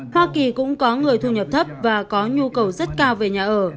hoa kỳ cũng có người thu nhập thấp và có nhu cầu rất cao về nhà ở